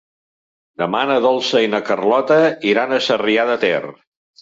Demà na Dolça i na Carlota iran a Sarrià de Ter.